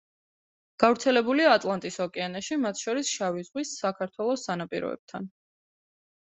გავრცელებულია ატლანტის ოკეანეში, მათ შორის შავი ზღვის საქართველოს სანაპიროებთან.